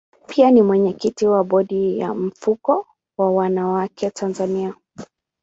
Pia ni mwenyekiti wa bodi ya mfuko wa wanawake Tanzania.